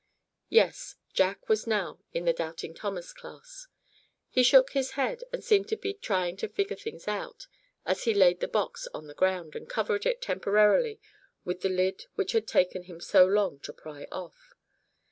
Yes, Jack was now in the Doubting Thomas class. He shook his head, and seemed to be trying to figure things out, as he laid the box on the ground, and covered it temporarily with the lid which had taken him so long to pry off.